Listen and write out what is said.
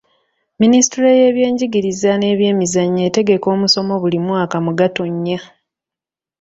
Minisitule y'ebyenjigiriza n'ebyemizannyo etegeka omusomo buli mwaka mu Gatonnya